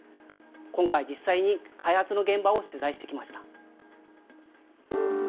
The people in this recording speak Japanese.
今回、実際に開発の現場を取材してきました。